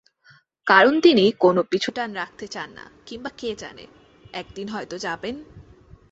কারণ তিনি কোনো পিছুটান রাখতে চান না কিংবা কে জানে, একদিন হয়তো যাবেন।